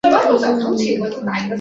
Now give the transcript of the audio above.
狠狠撞上红砖墙